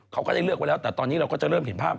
เขาก็ได้เลือกไว้แล้วแต่ตอนนี้เราก็จะเริ่มเห็นภาพ